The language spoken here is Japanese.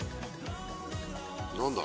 何だ？